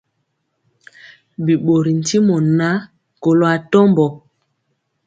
Bi ɓorɔɔ ntimɔ ŋan, kɔlo atɔmbɔ.